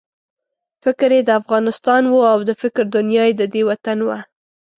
فکر یې د افغانستان وو او د فکر دنیا یې ددې وطن وه.